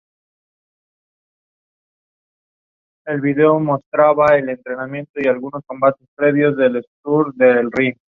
Sin embargo, este disco les dio pocas facilidades.